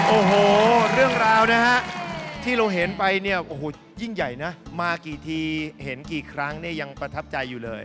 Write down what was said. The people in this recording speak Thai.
โอ้โหเรื่องราวนะฮะที่เราเห็นไปเนี่ยโอ้โหยิ่งใหญ่นะมากี่ทีเห็นกี่ครั้งเนี่ยยังประทับใจอยู่เลย